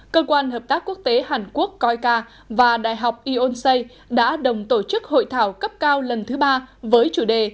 cơ quan hợp tác quốc tế hàn quốc coica và đại học ionsei đã đồng tổ chức hội thảo cấp cao lần thứ ba với chủ đề